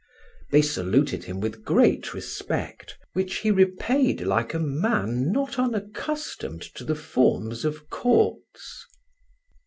They saluted him with great respect, which he repaid like a man not unaccustomed to the forms of Courts.